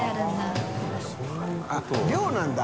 あっ量なんだ。